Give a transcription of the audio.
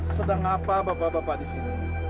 sedang apa bapak bapak disini